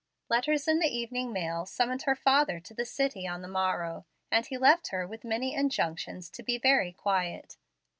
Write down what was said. Letters in the evening mail summoned her father to the city on the morrow, and he left her with many injunctions to be very quiet.